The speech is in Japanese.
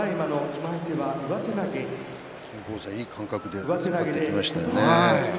金峰山、いい間隔で突っ張っていきましたね